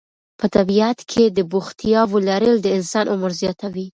په طبیعت کې د بوختیاوو لرل د انسان عمر زیاتوي.